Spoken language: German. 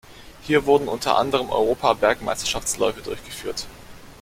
Hier wurden unter anderem Europa-Bergmeisterschaftsläufe durchgeführt.